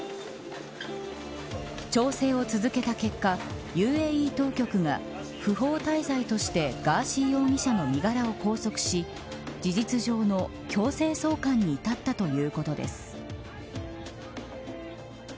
調整を続けた結果ＵＡＥ当局が不法滞在としてガーシー容疑者の身柄を拘束し事実上の強制送還に至ったということです。